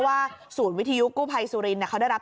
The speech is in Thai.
อะไรอะ